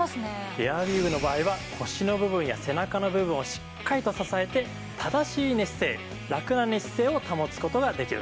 エアウィーヴの場合は腰の部分や背中の部分をしっかりと支えて正しい寝姿勢ラクな寝姿勢を保つ事ができるんです。